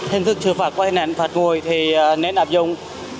hình thức xử phạt qua hình ảnh phạt người thì nên nạp dụng